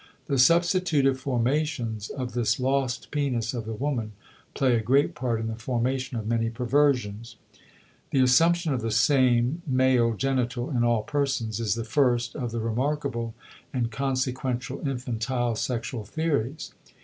The substitutive formations of this lost penis of the woman play a great part in the formation of many perversions. The assumption of the same (male) genital in all persons is the first of the remarkable and consequential infantile sexual theories.